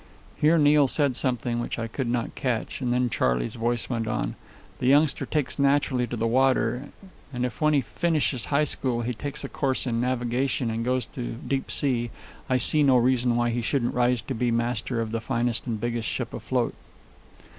Here Neil said something which I could not catch, and then Charley's voice went on: "The youngster takes naturally to the water, and if when he finishes high school he takes a course in navigation and goes deep sea, I see no reason why he shouldn't rise to be master of the finest and biggest ship afloat."